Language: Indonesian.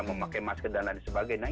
memakai masker dan lain sebagainya